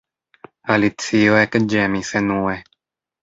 Alicio ekĝemis enue.